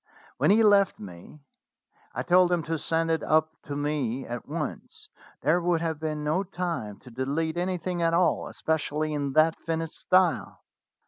When he left me I told him to send it up to me at once: there would have been no time to delete any thing at all, especially in that finished style."